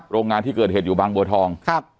โรงงานที่เกิดเหตุอยู่บางบัวทอง